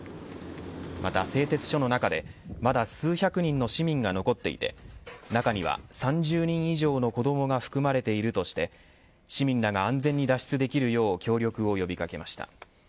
また製鉄所の中でまだ数百人の市民が残っていて中には３０人以上の子どもが含まれているとして市民が安全に脱出できるよう協力を呼び掛けました。